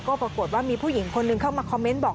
ก็ปรากฏว่ามีผู้หญิงคนหนึ่งเข้ามาคอมเมนต์บอก